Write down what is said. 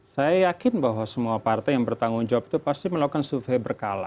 saya yakin bahwa semua partai yang bertanggung jawab itu pasti melakukan survei berkala